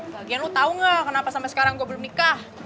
lagian lu tau nggak kenapa sampai sekarang gua belum nikah